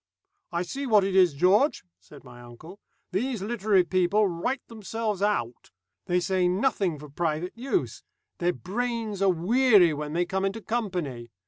"I see what it is, George," said my uncle, "these literary people write themselves out. They say nothing for private use. Their brains are weary when they come into company.